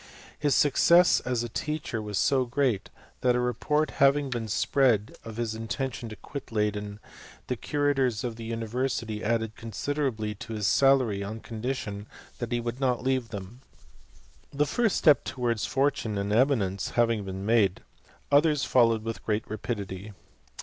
His success as a teacher was so great, that a report having been spread of his intention to quit Leyden, the curators of the university added consi derably to his salary on condition that he would not leave them. This first step towards fortune and eminence having been made, others followed with great rapidity.